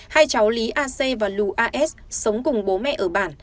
hai cháu lý a xây và lù a s sống cùng bố mẹ ở bản